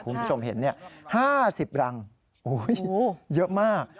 คุณผู้ชมเห็น๕๐รังเยอะมาก